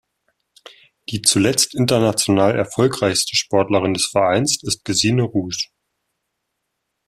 Die zuletzt international erfolgreichste Sportlerin des Vereins ist Gesine Ruge.